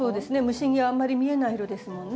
虫にあんまり見えない色ですもんね。